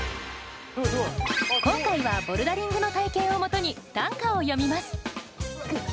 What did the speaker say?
今回はボルダリングの体験をもとに短歌を詠みます。